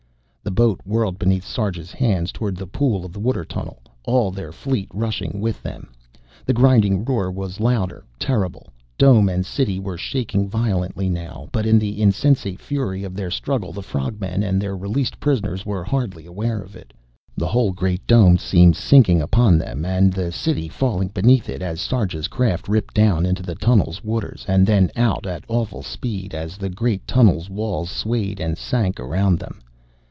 The boat whirled beneath Sarja's hands toward the pool of the water tunnel, all their fleet rushing with them. The grinding roar was louder, terrible; dome and city were shaking violently now; but in the insensate fury of their struggle the frog men and their released prisoners were hardly aware of it. The whole great dome seemed sinking upon them and the city falling beneath it as Sarja's craft ripped down into the tunnel's waters, and then out, at awful speed, as the great tunnel's walls swayed and sank around them!